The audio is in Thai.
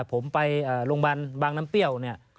ผมไปโรงพยาบาลบางน้ำเปรี้ยวเนี่ย